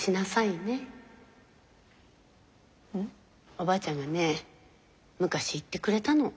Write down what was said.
おばあちゃんがね昔言ってくれたの。